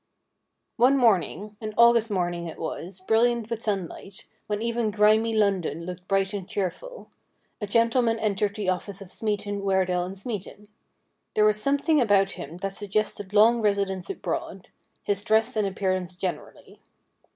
One morning — an August morning it was, brilliant with sunlight, when even grimy London looked bright and cheerful — a gentleman entered the office of Smeaton, Weardale & Smeaton. There was something about him that suggested long residence abroad — his dress and appearance generally.